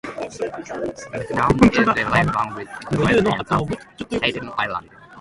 McMahon is a lifelong resident of Staten Island.